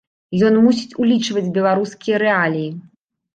Ён мусіць улічваць беларускія рэаліі.